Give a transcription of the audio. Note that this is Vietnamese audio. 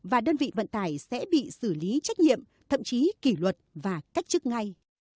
và đơn vị vận tải sẽ bị xử lý trách nhiệm thậm chí kỷ luật và cách chức ngay